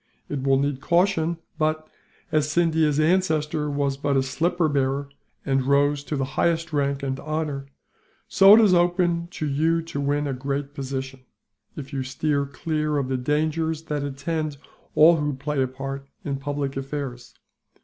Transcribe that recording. It will need caution but, as Scindia's ancestor was but a slipper bearer, and rose to the highest rank and honour; so it is open to you to win a great position, if you steer clear of the dangers that attend all who play a part in public affairs.